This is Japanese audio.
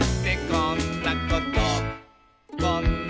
「こんなこと」